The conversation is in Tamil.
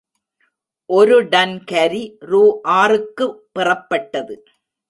ஒருடன்கரி ரூ ஆறு க்குப் பெறப்பட்டது.